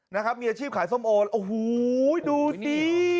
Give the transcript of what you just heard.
มีอาชีพขายส้มโอโอ้โหดูสิ